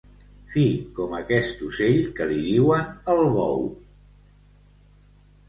Fi com aquest ocell que li diuen el bou.